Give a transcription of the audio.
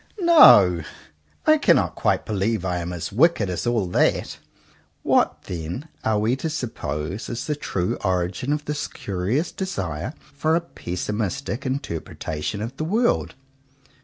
No! I cannot quite believe I am as wicked as all that. What, then, are we to suppose is the true origin of this curious desire for a pessimistic interpretation of the world?